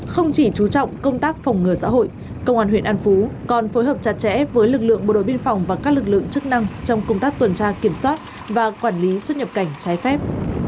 không chỉ chú trọng công tác phòng ngừa xã hội công an huyện an phú còn phối hợp chặt chẽ với lực lượng bộ đội biên phòng và các lực lượng chức năng trong công tác tuần tra kiểm soát và quản lý xuất nhập cảnh trái phép